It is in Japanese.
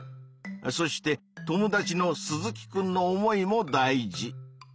そして友達の鈴木くんの思いも大事。